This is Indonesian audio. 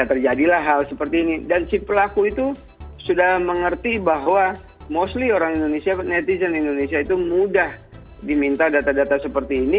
terjadilah hal seperti ini dan si pelaku itu sudah mengerti bahwa mostly orang indonesia netizen indonesia itu mudah diminta data data seperti ini